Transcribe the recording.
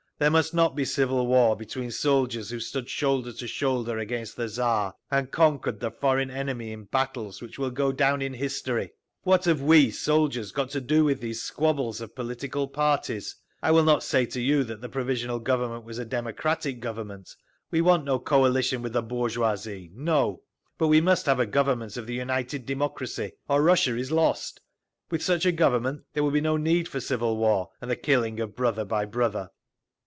There must not be civil war between soldiers who stood shoulder to shoulder against the Tsar, and conquered the foreign enemy in battles which will go down in history! What have we, soldiers, got to do with these squabbles of political parties? I will not say to you that the Provisional Government was a democratic Government; we want no coalition with the bourgeoisie—no. But we must have a Government of the united democracy, or Russia is lost! With such a Government there will be no need for civil war, and the killing of brother by brother!"